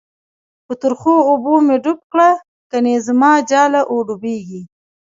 په ترخو اوبو می ډوب کړه، گڼی زماجاله ډوبیږی